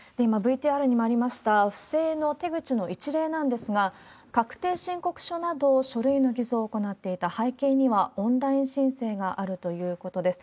今、ＶＴＲにもありました、不正の手口の一例なんですが、確定申告書など、書類の偽造を行っていた背景には、オンライン申請があるということです。